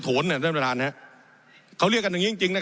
โถนเนี่ยท่านประธานครับเขาเรียกกันอย่างงี้จริงจริง